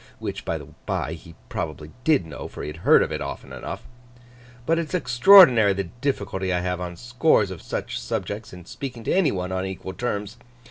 Which, by the by, he probably did know, for he had heard of it often enough. 'But it's extraordinary the difficulty I have on scores of such subjects, in speaking to any one on equal terms.